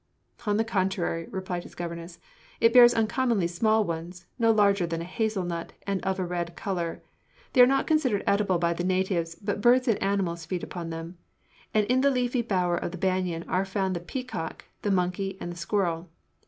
"On the contrary," replied his governess, "it bears uncommonly small ones no larger than a hazel nut, and of a red color. They are not considered eatable by the natives, but birds and animals feed upon them, and in the leafy bower of the banyan are found the peacock, the monkey and the squirrel.